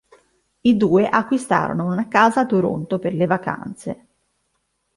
I due acquistarono una casa a Toronto per le vacanze.